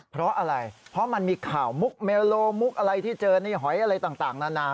เพราะอะไรเพราะมันมีข่าวมุกเมลโลมุกอะไรที่เจอในหอยอะไรต่างนานา